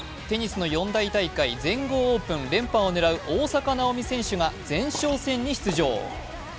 テニスの４大大会全豪オープン連覇を狙う大坂なおみ選手が前哨戦に出場。